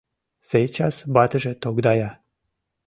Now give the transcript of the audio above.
Сейчас ватыже тогдая».